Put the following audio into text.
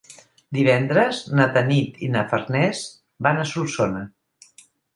Divendres na Tanit i na Farners van a Solsona.